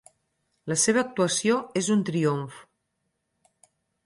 La seva actuació és un triomf.